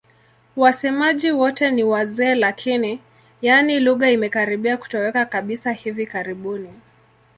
Wasemaji wote ni wazee lakini, yaani lugha imekaribia kutoweka kabisa hivi karibuni.